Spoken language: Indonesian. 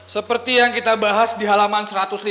seperti yang kita bahas di halaman satu ratus lima puluh